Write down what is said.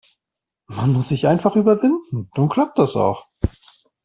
Man muss sich einfach überwinden. Dann klappt das auch.